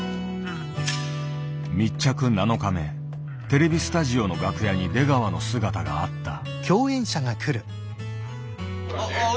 テレビスタジオの楽屋に出川の姿があった。